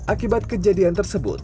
akibat kejadian tersebut